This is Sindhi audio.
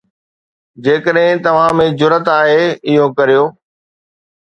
جيڪڏهن توهان ۾ جرئت آهي، اهو ڪريو